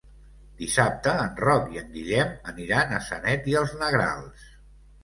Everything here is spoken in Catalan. Dissabte en Roc i en Guillem aniran a Sanet i els Negrals.